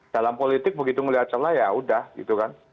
dalam politik begitu melihat celah ya udah gitu kan